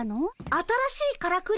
新しいからくり？